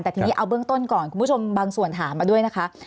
แต่ทีนี้เอาเบื้องต้นก่อนคุณผู้ชมบางส่วนถามมาด้วยนะคะ